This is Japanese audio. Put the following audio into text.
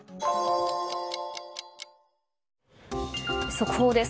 速報です。